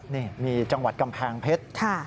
นี่มีจังหวัดกำแพงเพชร